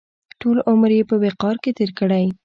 ټول عمر یې په وقار کې تېر کړی.